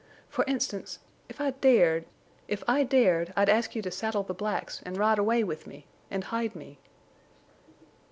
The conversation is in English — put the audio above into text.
For instance—if I dared—if I dared I'd ask you to saddle the blacks and ride away with me—and hide me."